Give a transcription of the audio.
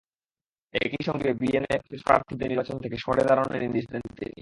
একই সঙ্গে বিএনএফের প্রার্থীদের নির্বাচন থেকে সরে দাঁড়ানোর নির্দেশ দেন তিনি।